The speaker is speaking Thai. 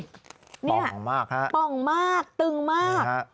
ป้องมากค่ะป้องมากตึงมาก